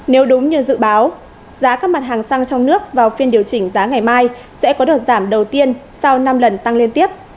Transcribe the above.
nếu đúng như dự báo giá các mặt hàng xăng trong nước vào phiên điều chỉnh giá ngày mai sẽ có đợt giảm đầu tiên sau năm lần tăng liên tiếp